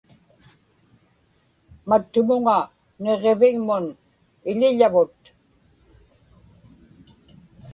mattumuŋa niġġivigmun iḷiḷavut